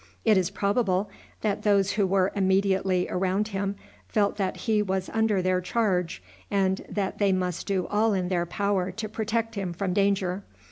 It is probable that those who were immediately around him felt that he was under their charge, and that they must do all in their power to protect him from danger.